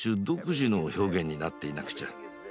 独自の表現になっていなくちゃ。